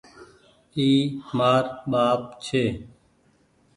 اي مآر ٻآپ ڇي۔